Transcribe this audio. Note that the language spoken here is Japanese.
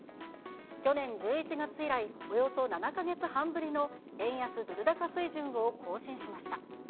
去年１１月以来、およそ７か月半ぶりの円安ドル高水準を更新しました。